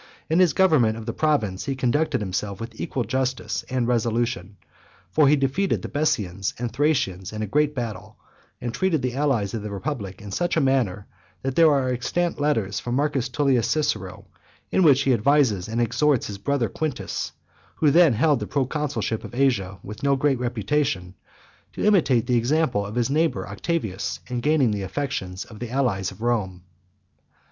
In his government of the province, he conducted himself with equal justice and resolution; for he defeated the Bessians and Thracians in a great battle, and treated the allies of the republic in such a manner, that there are extant letters from M. Tullius Cicero, in which he advises and exhorts his brother Quintus, who then held the proconsulship of Asia with no great reputation, to imitate the example of his neighbour Octavius, in gaining the affections of the allies of Rome.